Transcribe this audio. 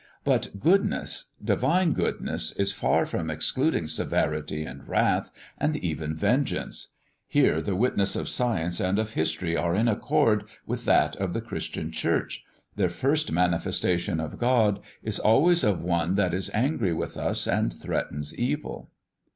But goodness, divine goodness, is far from excluding severity and wrath, and even vengeance. Here the witness of science and of history are in accord with that of the Christian Church; their first manifestation of God is always of 'one that is angry with us and threatens evil.'"